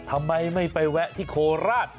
ทำไมไม่ไปแวะที่โคราช